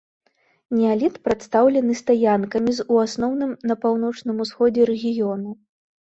Неаліт прадстаўлены стаянкамі з ў асноўным на паўночным усходзе рэгіёну.